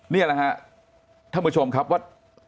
นี่แหละครับท่านผู้ชมครับว่า